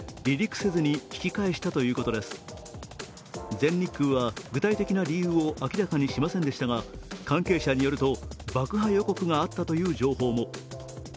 全日空は具体的な理由を明らかにしませんでしたが関係者によると、爆破予告があったという情報も。